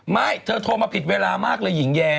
ไม่เธอโทรมาผิดเวลามากเลยหญิงแย้